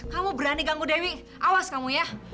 kamu berani ganggu dewi awas kamu ya